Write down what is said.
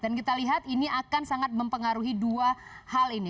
dan kita lihat ini akan sangat mempengaruhi dua hal ini